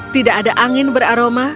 tidak ada angin beraroma